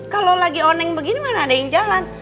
kalau lagi oneng begini mana ada yang jalan